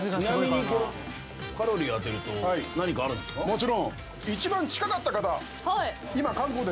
もちろん。